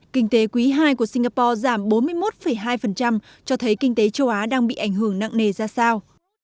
kinh tế quý ii của singapore giảm bốn mươi một hai cho thấy kinh tế châu á đang bị ảnh hưởng nặng nề ra sao